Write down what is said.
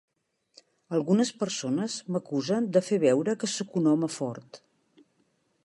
Algunes persones m'acusen de fer veure que soc un home fort.